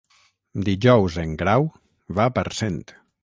Dijous en Grau va a Parcent.